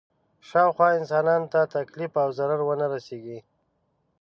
شاوخوا انسانانو ته تکلیف او ضرر ونه رسېږي.